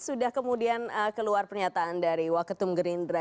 sudah kemudian keluar pernyataan dari waketum gerindra